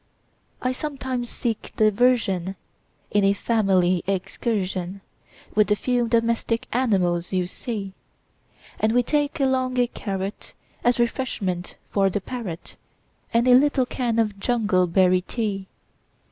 I sometimes seek diversionIn a family excursionWith the few domestic animals you see; And we take along a carrotAs refreshment for the parrot, And a little can of jungleberry tea.